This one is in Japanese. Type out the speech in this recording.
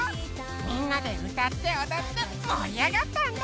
みんなでうたっておどってもりあがったんだ。